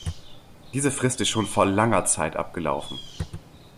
Diese Frist ist schon vor langer Zeit abgelaufen.